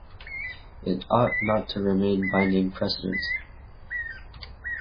It ought not to remain binding precedent.